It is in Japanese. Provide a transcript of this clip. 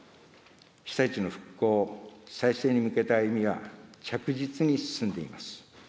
被災地の復興、再生に向けた歩みが着実に進んでいます。